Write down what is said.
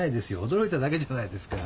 驚いただけじゃないですか。